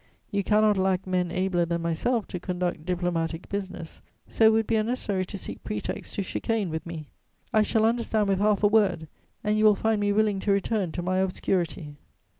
You cannot lack men abler than myself to conduct diplomatic business; so it would be unnecessary to seek pretexts to chicane with me. I shall understand with half a word; and you will find me willing to return to my obscurity."